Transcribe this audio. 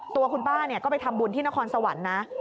ตัวคุณป้าก็ไปทำบุญที่นครสวรรค์นะ